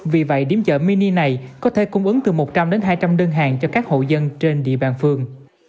vì vậy điểm chợ mini này có thể cung ứng từ một trăm linh đến hai trăm linh đơn hàng cho các hộ dân trên địa bàn phường